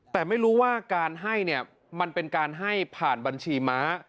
แต่ไม่รู้ว่าการให้เนี่ยมันเป็นการให้ผ่านบัญชีม้า